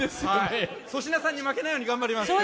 粗品さんに負けないように頑張ります。